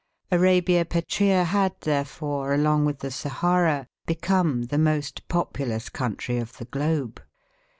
Arabia Petræa had, therefore, along with the Sahara, become the most populous country of the globe.